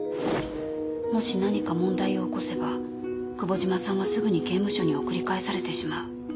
もし何か問題を起こせば久保島さんはすぐに刑務所に送り返されてしまう。